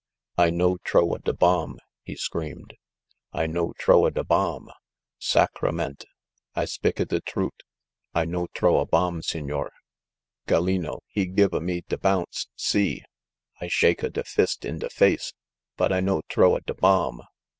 "I no t'row a da bomb !" he screamed. "I no t'row a da bomb ! Sacrament' ! I spika da trut' ! I no t'row a bomb, signor! Gallino he give a me da bounce, si! I shake a da fist in da face ; bot I no t'row a da bomb